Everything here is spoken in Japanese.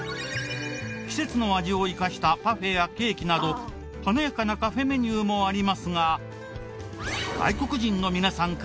季節の味を生かしたパフェやケーキなど華やかなカフェメニューもありますが。